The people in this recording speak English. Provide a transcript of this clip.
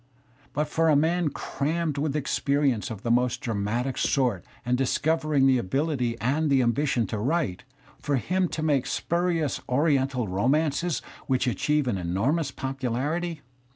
But for ''a man crammed with experience of the most dramatic sort ''^*' and discovering the ability and the ambition to write — for <^y him to make spurious oriental romances which achieve an / enormous popularity